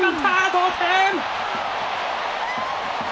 同点！